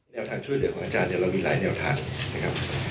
ทางช่วยเหลือของอาจารย์เนี่ยเรามีหลายแนวทางนะครับ